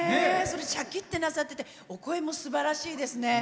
しゃきっとなさってお声もすばらしいですね。